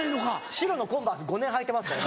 白のコンバース５年履いてますから。